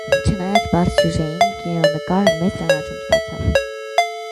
Չնայած պարզ սյուժեին կինոնկարը մեծ ճանաչում ստացավ։